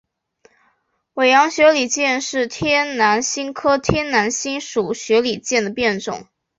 绥阳雪里见是天南星科天南星属雪里见的变种。